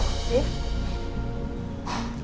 aku ketemu dia banget